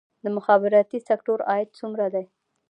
د مخابراتي سکتور عاید څومره دی؟